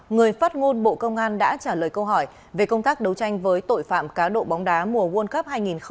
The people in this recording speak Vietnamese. người phát ngôn bộ công an đã trả lời câu hỏi về công tác đấu tranh với tội phạm cá độ bóng đá mùa world cup hai nghìn hai mươi ba